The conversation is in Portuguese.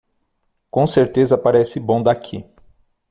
Com certeza parece bom daqui.